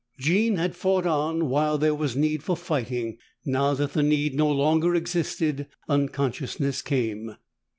Jean had fought on while there was need for fighting. Now that the need no longer existed, unconsciousness came.